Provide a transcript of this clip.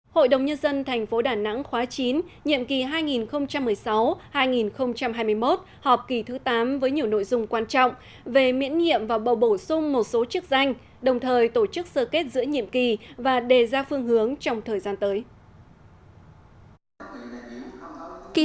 hội đồng nhân dân tp đà nẵng khóa chín nhiệm kỳ hai nghìn một mươi sáu hai nghìn hai mươi một họp kỳ thứ tám với nhiều nội dung quan trọng về miễn nhiệm và bầu bổ sung một số chức danh đồng thời tổ chức sơ kết giữa nhiệm kỳ và đề ra phương hướng trong thời gian tới